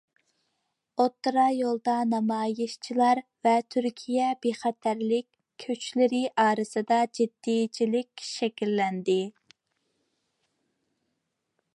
ئوتتۇرا يولدا نامايىشچىلار ۋە تۈركىيە بىخەتەرلىك كۈچلىرى ئارىسىدا جىددىيچىلىك شەكىللەندى.